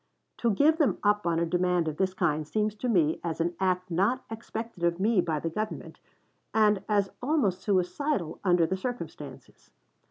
To give them up on a demand of this kind seems to me as an act not expected of me by the Government, and as almost suicidal under the circumstances.